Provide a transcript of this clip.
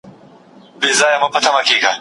راتلونکي ته په موسکا وګورئ.